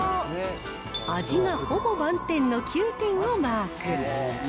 味がほぼ満点の９点をマーク。